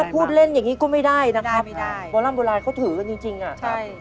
พูดเล่นอย่างนี้ก็ไม่ได้นะครับไม่ได้โบร่ำโบราณเขาถือกันจริงจริงอ่ะใช่